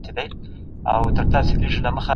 نن ورځ خلګ د واکمنانو تر شعارونو عمل ته ګوري.